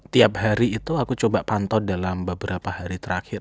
tiap hari itu aku coba pantau dalam beberapa hari terakhir